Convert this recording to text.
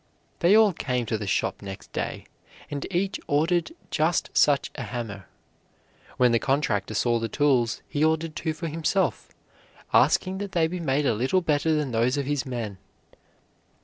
They all came to the shop next day, and each ordered just such a hammer. When the contractor saw the tools, he ordered two for himself, asking that they be made a little better than those of his men.